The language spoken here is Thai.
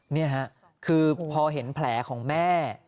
นี่ค่ะคือพอเห็นแผลของแม่